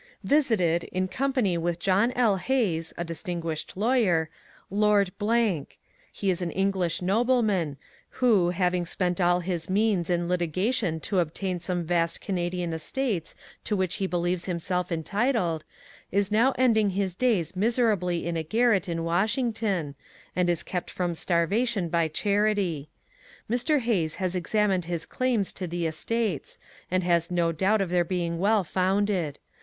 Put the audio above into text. Visited, in company with John L. Hayes [a distinguished ANTE BELLUM WASHINGTON 205 lawyer] , Lord . He is an English nobleman, who, having spent all his means in litigation to obtain some vast Canadian estates to which he beUeres himself entitled, is now ending his days miserably in a garret in Washington, and is kept from starvation by charity. Mr. Hayes has examined lus claims to the estates, and has no doubt of their being well founded.